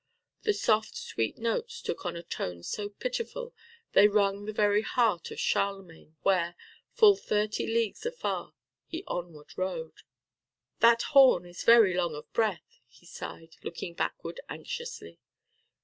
The soft, sweet notes took on a tone so pitiful, they wrung the very heart of Charlemagne, where, full thirty leagues afar, he onward rode. "That horn is very long of breath," he sighed, looking backward anxiously.